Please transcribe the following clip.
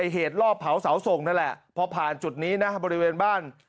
เหตุรอบเผาเสาส่งนั่นแหละพอผ่านจุดนี้นะบริเวณบ้าน